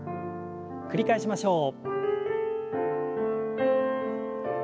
繰り返しましょう。